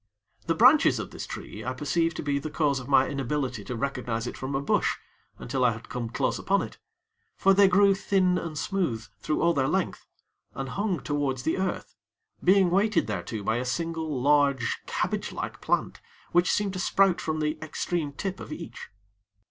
The branches of this tree, I perceived to be the cause of my inability to recognize it from a bush, until I had come close upon it; for they grew thin and smooth through all their length, and hung towards the earth; being weighted thereto by a single, large cabbage like plant which seemed to sprout from the extreme tip of each.